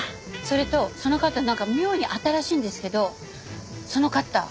それとそのカッターなんか妙に新しいんですけどそのカッター